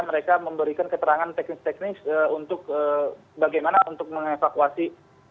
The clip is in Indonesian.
mereka memberikan keterangan teknis teknis untuk bagaimana untuk mengevakuasi